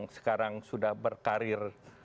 sekarang sudah berkarir